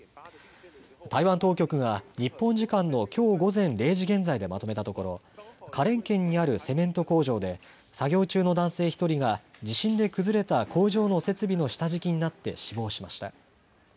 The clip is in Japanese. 台湾当局が日本時間のきょう午前０時現在でまとめたところ、花蓮県にあるセメント工場で作業中の男性１人が地震で崩れた工場の設備の下敷きになって死亡しました。